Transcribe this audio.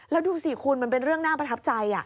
แล้วดูสิคุณมันเป็นเรื่องน่าประทับใจ